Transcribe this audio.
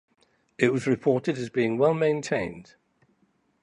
It was reported as being well maintained.